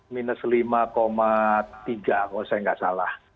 minus lima tiga persen kalau saya tidak salah